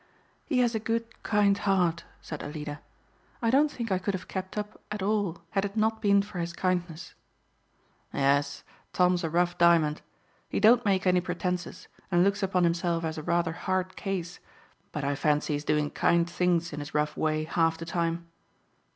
"He has a good, kind heart," said Alida. "I don't think I could have kept up at all had it not been for his kindness." "Yes, Tom's a rough diamond. He don't make any pretenses, and looks upon himself as a rather hard case, but I fancy he's doing kind things in his rough way half the time.